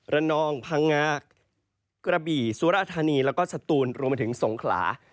นองพังงากระบี่สุรธานีแล้วก็สตูนรวมไปถึงสงขลา